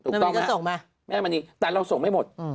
แม่มณีก็ส่งไหมแม่มณีแต่เราส่งไม่หมด